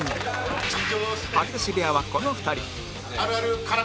吐き出し部屋はこの２人